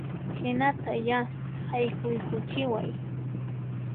Hinata ya, haykuykuchiway